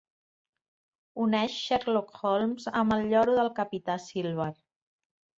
Uneix Sherlock Holmes amb el lloro del capità Silver.